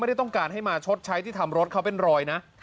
ต้องการให้มาชดใช้ที่ทำรถเขาเป็นรอยนะ